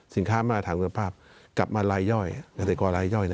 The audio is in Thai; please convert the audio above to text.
สินค้ามาตรฐานคุณภาพกลับมาลายย่อย